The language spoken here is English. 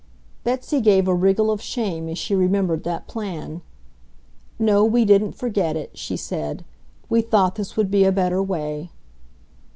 Betsy gave a wriggle of shame as she remembered that plan. "No, we didn't forget it," she said. "We thought this would be a better way."